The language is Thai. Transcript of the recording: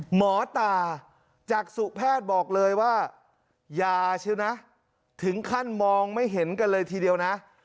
หมอตาจากสุแพทย์บอกเลยว่าอย่าเชียวนะถึงขั้นมองไม่เห็นกันเลยทีเดียวนะ